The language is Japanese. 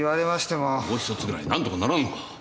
もうひとつぐらいなんとかならんのか。